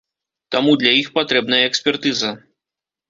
Таму для іх патрэбная экспертыза.